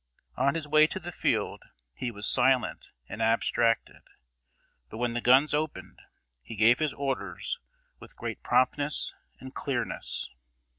On his way to the field, he was silent and abstracted; but when the guns opened, he gave his orders with great promptness and clearness.